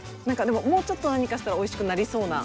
でももうちょっと何かしたらおいしくなりそうな。